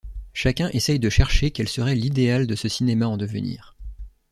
Chacun essaye de chercher quel serait l’idéal de ce cinéma en devenir.